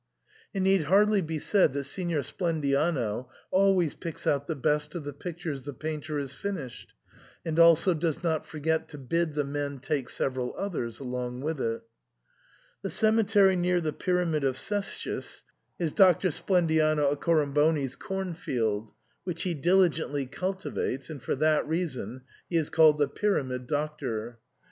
It need hardly be said that Signor Splendiano always picks out the best of the pictures the painter has finished, and also does not forget to bid the men take several others along with it The cemetery near the Pyramid of Cestius is Doctor Splendiano Accoramboni's corn field, which he diligently cultivates, and for that reason he is called the Pyramid Doctor.